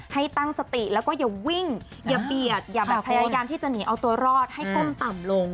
ให้ตั้งสติแล้วก็อย่าวิ่งอย่าเบียดอย่าแบบพยายามที่จะหนีเอาตัวรอดให้ก้มต่ำลง